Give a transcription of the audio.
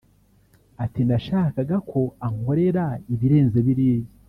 Ati “Nashakaga ko ankorera ibirenze biriya